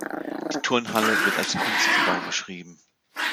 Die Turnhalle wird als Kunstbau beschrieben.